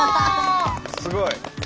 すごい！